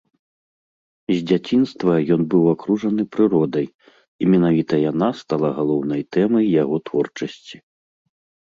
З дзяцінства ён быў акружаны прыродай, і менавіта яна стала галоўнай тэмай яго творчасці.